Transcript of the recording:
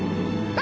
あ！